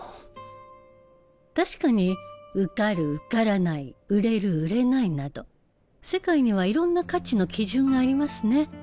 確かに受かる受からない売れる売れないなど世界にはいろんな価値の基準がありますね。